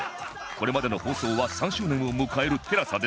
これまでの放送は３周年を迎える ＴＥＬＡＳＡ でぜひ！